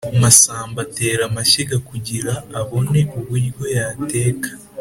Masamba atera amashyiga kugira abone uburyo yateka.